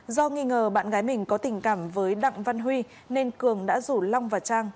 do nghi ngờ bạn gái mình có tình cảm với đặng văn huy nên cường đã rủ long và trang